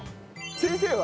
先生は？